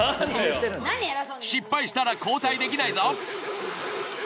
失敗したら交代できないぞ。